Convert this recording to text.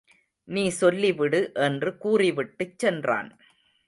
நீ சொல்லிவிடு என்று கூறிவிட்டுச் சென்றான்.